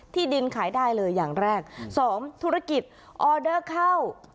ที่ดินขายได้เลยอย่างแรก๒ธุรกิจออเดอร์เข้า